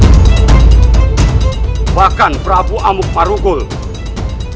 terbukti terlibat dalam pemberontakan ini